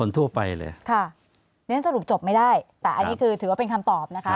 นี่สรุปจบไม่ได้แต่อันนี้ถือว่าเป็นคำตอบนะคะ